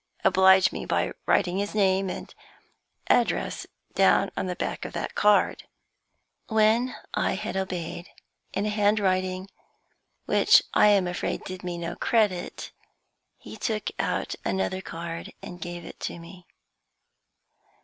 Oblige me by writing his name and address down on the back of that card." When I had obeyed, in a handwriting which I am afraid did me no credit, he took out another card and gave it to me.